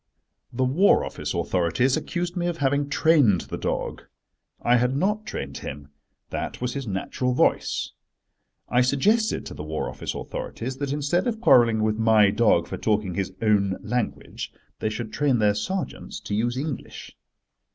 The War Office authorities accused me of having trained the dog. I had not trained him: that was his natural voice. I suggested to the War Office authorities that instead of quarrelling with my dog for talking his own language, they should train their sergeants to use English.